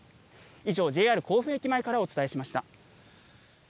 以上、ＪＲ甲府駅前からお伝えしました。